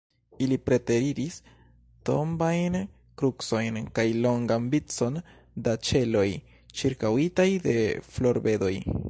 Ili preteriris tombajn krucojn kaj longan vicon da ĉeloj, ĉirkaŭitaj de florbedoj.